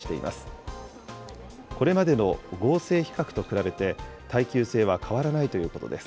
これまでの合成皮革と比べて耐久性は変わらないということです。